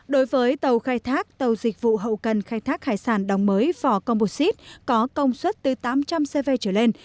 đối với tàu khai thác tàu dịch vụ hậu cần khai thác hải sản đóng mới vỏ composite có công suất từ tám trăm linh cv trở lên